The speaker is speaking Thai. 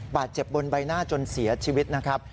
บาดเจ็บบนใบหน้าจนเสียชีวิตนะครับ